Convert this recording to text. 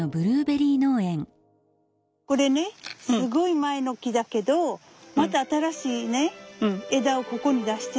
これねすごい前の木だけどまた新しいね枝をここに出してるの。